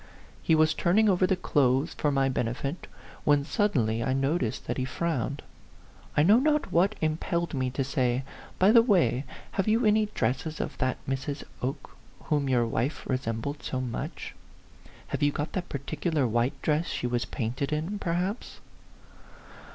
He was turning over the clothes for my benefit, when suddenly I noticed that he frowned. I know not what impelled me to say, " By the way, have you any dresses of that Mrs. Oke whom your wife resembles so much ? Have you got that particular white dress she was painted in, perhaps